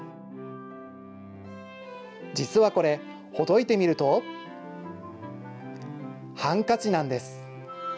実はこれ、ほどいてみると、ハンカチなんです。